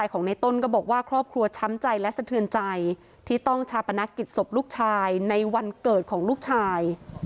ของในต้นก็บอกว่าครอบครัวช้ำใจและสะเทือนใจที่ต้องชาปนกิจศพลูกชายในวันเกิดของลูกชาย